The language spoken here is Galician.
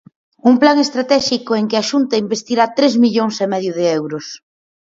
Un plan estratéxico en que a Xunta investirá tres millóns e medio de euros.